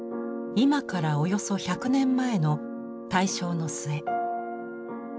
今からおよそ１００年前の大正の末。